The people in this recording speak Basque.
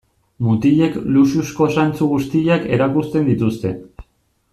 Mutilek luxuzko zantzu guztiak erakusten dituzte.